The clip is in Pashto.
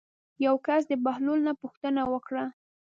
یو کس د بهلول نه پوښتنه وکړه.